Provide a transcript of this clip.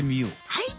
はい！